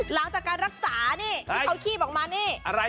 หลังจากการรักษานี่ที่เขาคีบออกมานี่อะไร